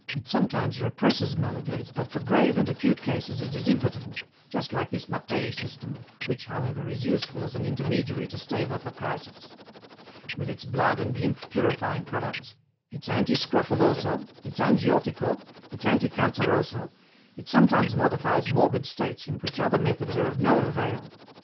It sometimes represses maladies, but for grave and acute cases it is impotent, just like this Mattei system, which, however, is useful as an intermediary to stave off a crisis. With its blood and lymph purifying products, its antiscrofoloso, its angiotico, its anti canceroso, it sometimes modifies morbid states in which other methods are of no avail.